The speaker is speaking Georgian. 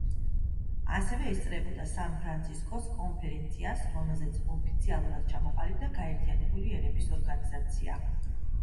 ასევე ესწრებოდა სან-ფრანცისკოს კონფერენციას რომელზეც ოფიციალურად ჩამოყალიბდა გაერთიანებული ერების ორგანიზაცია.